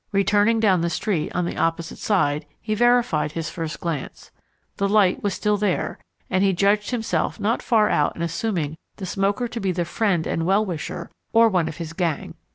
Returning down the street, on the opposite side, he verified his first glance. The light was still there, and he judged himself not far out in assuming the smoker to be the friend and well wisher or one of his gang.